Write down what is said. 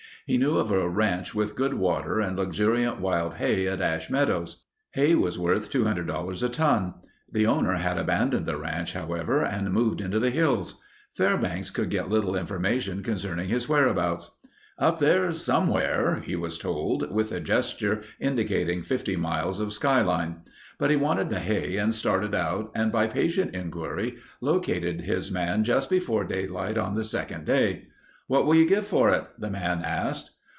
He knew of a ranch with good water and luxuriant wild hay at Ash Meadows. Hay was worth $200 a ton. The owner had abandoned the ranch, however, and moved into the hills. Fairbanks could get little information concerning his whereabouts. "Up there somewhere," he was told, with a gesture indicating 50 miles of sky line. But he wanted the hay and started out and by patient inquiry located his man just before daylight on the second day. "What will you give for it?" the man asked.